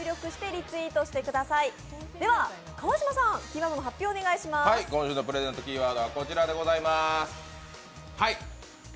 今週のプレゼントキーワードはこちらでございます。